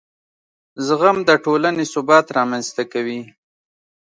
زغم د ټولنې ثبات رامنځته کوي.